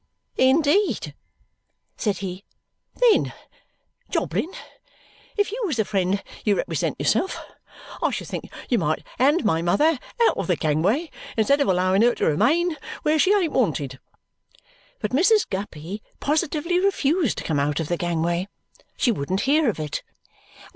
"Indeed?" said he. "Then, Jobling, if you was the friend you represent yourself, I should think you might hand my mother out of the gangway instead of allowing her to remain where she ain't wanted." But Mrs. Guppy positively refused to come out of the gangway. She wouldn't hear of it.